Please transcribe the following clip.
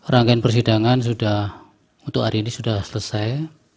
rangkaian persidangan sudah untuk hari ini sudah selesai